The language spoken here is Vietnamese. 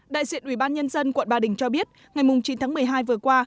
đại diện ubnd quận ba đình cho biết ngày chín tháng một mươi hai vừa qua